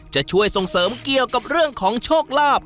จะช่วยส่งเสริมเกี่ยวกับเรื่องของโชคลาภ